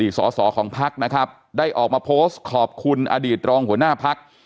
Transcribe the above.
สอสอของพักนะครับได้ออกมาโพสต์ขอบคุณอดีตรองหัวหน้าพัก